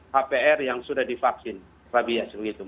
hpr yang sudah divaksin rabies begitu